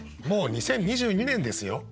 もう２０２２年ですよ。